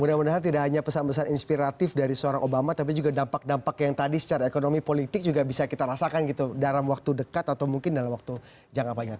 mudah mudahan tidak hanya pesan pesan inspiratif dari seorang obama tapi juga dampak dampak yang tadi secara ekonomi politik juga bisa kita rasakan gitu dalam waktu dekat atau mungkin dalam waktu jangka panjang